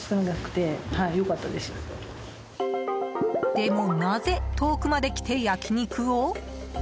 でも、なぜ遠くまで来て焼き肉を？